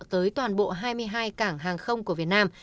tới toàn bộ hai mươi hai cảng hàng không của việt nam